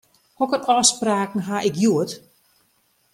Hokker ôfspraken haw ik hjoed?